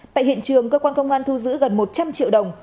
tại hiện trường cơ quan công an thu giữ gần một trăm linh triệu đồng